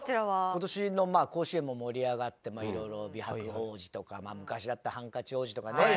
今年の甲子園も盛り上がって色々美白王子とか昔だったらハンカチ王子とかね。